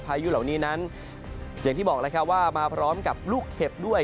ยุเหล่านี้นั้นอย่างที่บอกแล้วครับว่ามาพร้อมกับลูกเข็บด้วย